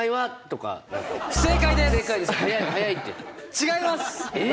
違います！